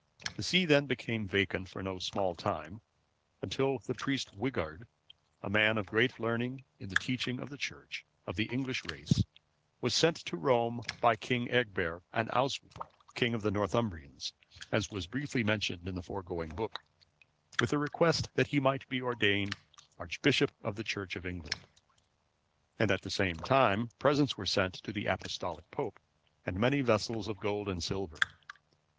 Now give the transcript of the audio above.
The see then became vacant for no small time, until, the priest Wighard,(519) a man of great learning in the teaching of the Church, of the English race, was sent to Rome by King Egbert and Oswy, king of the Northumbrians, as was briefly mentioned in the foregoing book,(520) with a request that he might be ordained Archbishop of the Church of England; and at the same time presents were sent to the Apostolic pope, and many vessels of gold and silver.